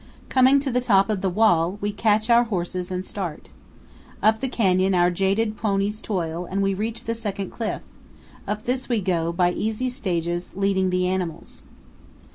Coming to the top of the wall, we catch our horses and start. Up the canyon our jaded ponies toil and we reach the second cliff; up this we go, by easy stages, leading the animals.